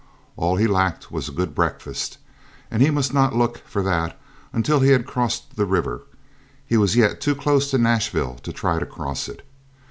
All he lacked was a good breakfast, and he must not look for that until he had crossed the river; he was yet too close to Nashville to try to cross it.